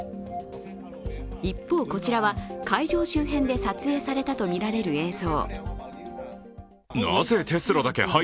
一方、こちらは会場周辺で撮影されたとみられる映像。